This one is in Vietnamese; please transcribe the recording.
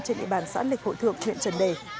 trên địa bàn xã lịch hội thượng huyện trần đề